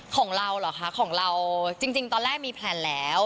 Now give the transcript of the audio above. ของเราเหรอคะของเราจริงตอนแรกมีแพลนแล้ว